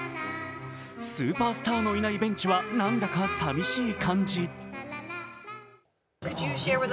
スーパースターのいないベンチは何だか寂しい感じ。